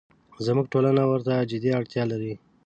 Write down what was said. زموږ ټولنه ورته جدي اړتیا لري.